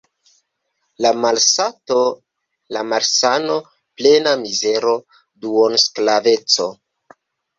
La malsato, la malsano, plena mizero, duonsklaveco.